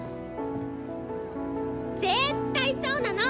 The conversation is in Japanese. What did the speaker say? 絶対そうなの！